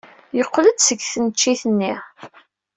Yeqqel-d seg tneččit-nni.